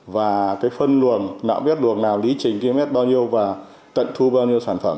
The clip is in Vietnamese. và cái phân luồng nạo vét luồng nào lý trình ký mét bao nhiêu và tận thu bao nhiêu sản phẩm